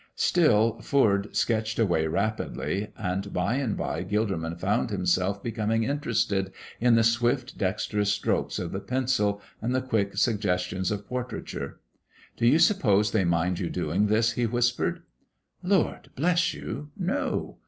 Still Foord sketched away rapidly, and by and by Gilderman found himself becoming interested in the swift, dexterous strokes of the pencil and the quick suggestions of portraiture. "Do you suppose they mind you doing this?" he whispered. "Lord bless you, no!"